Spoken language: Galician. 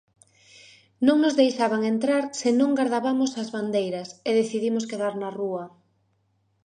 "Non nos deixaban entrar se non gardabamos as bandeiras e decidimos quedar na rúa".